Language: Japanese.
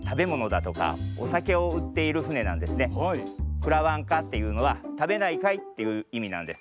「くらわんか」っていうのは「たべないかい？」っていういみなんです。